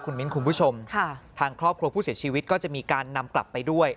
มิ้นคุณผู้ชมทางครอบครัวผู้เสียชีวิตก็จะมีการนำกลับไปด้วย